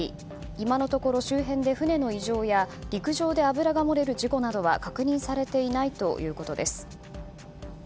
今のところ周辺で船の異常や陸上で油が漏れる事故などは確認されていないということです。